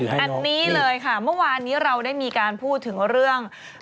อันนี้เลยค่ะเมื่อวานนี้เราได้มีการพูดถึงเรื่อง